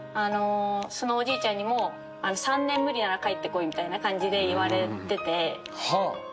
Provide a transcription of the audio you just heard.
そのおじいちゃんにも「３年無理なら帰ってこい」みたいな感じで言われてて。